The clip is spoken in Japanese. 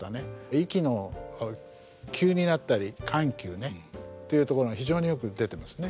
息の急になったり緩急ねっていうところが非常によく出てますね。